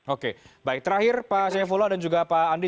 oke baik terakhir pak shevola dan juga pak andri